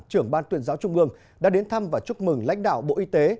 trưởng ban tuyên giáo trung ương đã đến thăm và chúc mừng lãnh đạo bộ y tế